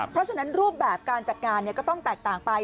เพราะฉะนั้นรูปแบบการจัดงานก็ต้องแตกต่างไป